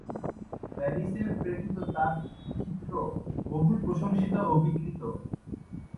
প্যারিসে প্রেরিত তার চিত্র বহুল প্রসংশিত ও বিক্রিত।